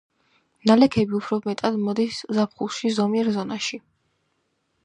ნალექები უფრო მეტად მოდის ზაფხულში ზომიერ ზონაში.